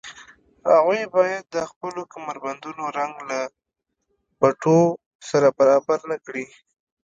هغوی باید د خپلو کمربندونو رنګ له بټوو سره برابر نه کړي